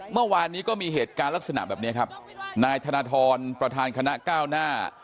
เมื่อวานนี้ก็มีเหตุการณ์ลักษณะแบบนี้ครับนายธนทรประธานคณะก้าวหน้า